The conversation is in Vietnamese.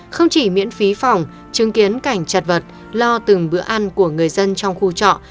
không chỉ miễn phí phòng chứng kiến cảnh chật vật lo từng bữa ăn của người dân trong khu trọ